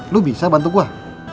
lu bisa bantu gua